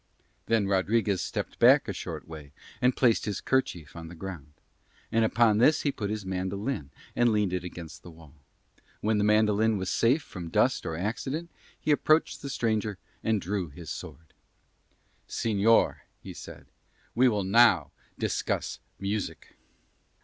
Then Rodriguez stepped back a short way and placed his kerchief on the ground; and upon this he put his mandolin and leaned it against the wall. When the mandolin was safe from dust or accident he approached the stranger and drew his sword. "Señor," he said, "we will now discuss music."